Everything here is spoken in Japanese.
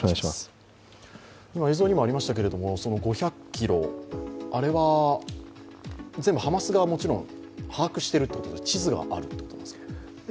今、映像にもありましたけれども、５００ｋｍ、あれは全部ハマス側はもちろん把握している、地図があるということですか？